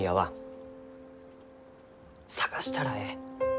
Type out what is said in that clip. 探したらえい。